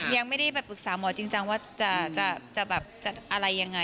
ยังไม่ได้ไปปรึกษาหมอจริงว่าจะอะไรยังไง